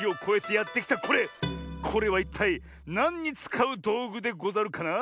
これはいったいなんにつかうどうぐでござるかな？